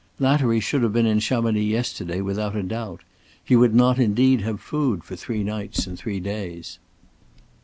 Lattery should have been in Chamonix yesterday, without a doubt. He would not indeed have food for three nights and days.